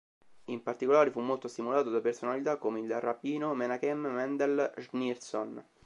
In particolare fu molto stimolato da personalità come il rabbino Menachem Mendel Schneerson.